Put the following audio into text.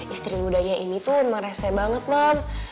istri mudanya ini tuh emang rese banget mam